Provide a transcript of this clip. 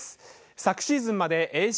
昨シーズンまでＡＣ